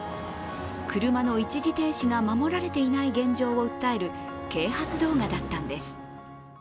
車の一時停止が守られていない現状を訴える啓発動画だったんです。